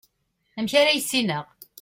amek ara yissineɣ